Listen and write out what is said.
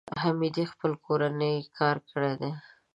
حمیدې خپل کورنی کار کړی دی.